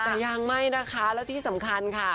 แต่ยังไม่นะคะและที่สำคัญค่ะ